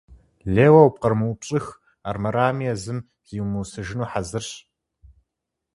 Лейуэ упкърымыупщӏыхь, армырами езым зиумысыжыну хьэзырщ.